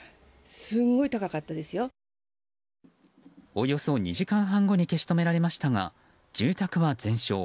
およそ２時間半後に消し止められましたが住宅は全焼。